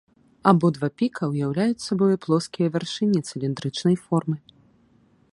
Абодва піка ўяўляюць сабою плоскія вяршыні цыліндрычнай формы.